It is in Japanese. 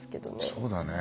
そうだね。